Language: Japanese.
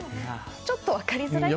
ちょっと分かりづらいかな？